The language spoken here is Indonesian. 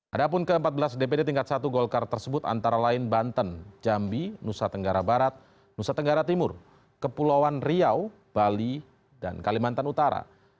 ada pun ke empat belas dpd tingkat satu golkar tersebut antara lain banten jambi nusa tenggara barat nusa tenggara timur kepulauan riau bali dan kalimantan utara